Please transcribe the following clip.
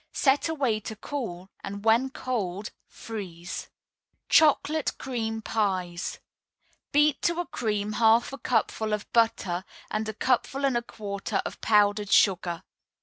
Set away to cool, and when cold, freeze. CHOCOLATE CREAM PIES Beat to a cream half a cupful of butter and a cupful and a quarter of powdered sugar.